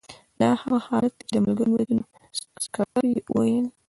دا هغه حالت دی چې د ملګرو ملتونو سکتر یې وویل.